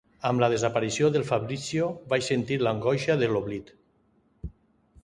Amb la desaparició del Fabrizio vaig sentir l’angoixa de l’oblit.